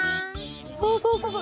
そうそうそうそう。